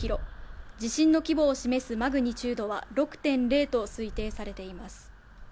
地震の規模を示すマグニチュードは６．０と推定されています。